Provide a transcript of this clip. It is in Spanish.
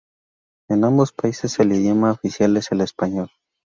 En ambos países el idioma oficial es el español.